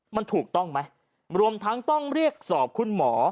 มันถูกต้องไหมรวมทั้งต้องเรียกสอบคุณหมอ